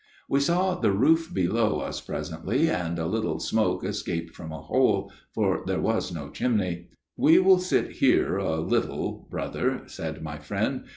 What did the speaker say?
" We saw the roof below us presently, and a little smoke escaped from a hole, for there was no chimney. "' We will sit here a little, brother,' said my friend.